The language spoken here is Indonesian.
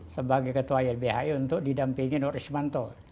sebagai ketua lbhi untuk didampingin or ismanto